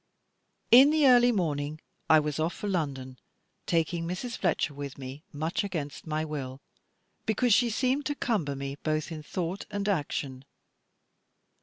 In the early morning, I was off for London, taking Mrs. Fletcher with me, much against my will, because she seemed to cumber me both in thought and action.